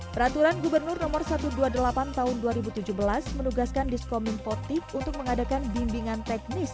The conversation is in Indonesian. peraturan gubernur no satu ratus dua puluh delapan tahun dua ribu tujuh belas menugaskan diskominfotik untuk mengadakan bimbingan teknis